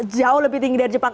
jauh lebih tinggi dari jepang